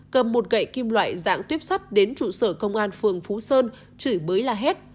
cầm một gậy kim loại dạng tuyếp sắt đến trụ sở công an phường phú sơn chửi bới la hét